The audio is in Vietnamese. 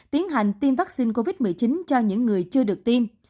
tiến hành tiêm vaccine covid một mươi chín cho những người chưa được tiêm